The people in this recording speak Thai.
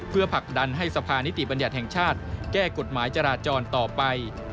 เพื่อผลักดันให้สภานิติบัญญัติแห่งชาติแก้กฎหมายจราจรต่อไป